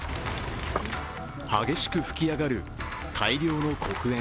激しく噴き上がる大量の黒煙。